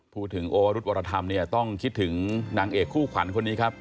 พูดถึงโอรุธวรธรรมเนี่ยต้องคิดถึงนางเอกคู่ขวัญคนนี้ครับ